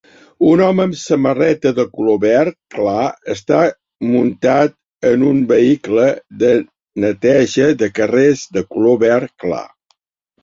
Un home amb samarreta de color verd clar està muntat en un vehicle de neteja de carrers de color verd clar.